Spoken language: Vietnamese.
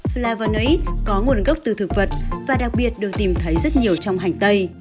flavonoid có nguồn gốc từ thực vật và đặc biệt được tìm thấy rất nhiều trong hành tây